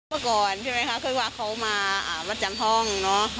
พาก่อก่อนเขามาวัดจำห้อง